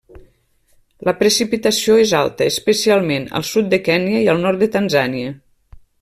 La precipitació és alta, especialment al sud de Kenya i el nord de Tanzània.